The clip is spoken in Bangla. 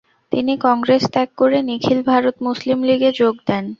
তিনি কংগ্রেস ত্যাগ করে নিখিল ভারত মুসলিম লীগে যোগ দেন।